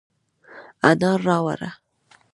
انار راوړه،